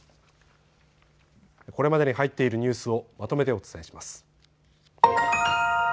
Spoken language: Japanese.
これまでに入っているニュースをまとめてお伝えします。